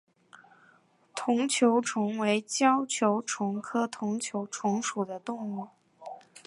筒球虫为胶球虫科筒球虫属的动物。